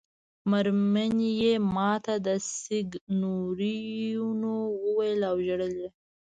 مېرمنې یې ما ته سېګنورینو وویل او ژړل یې.